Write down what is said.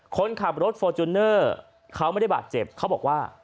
คนขับรถฟอร์จูเนอร์เขาไม่ได้บาดเจ็บเขาบอกว่า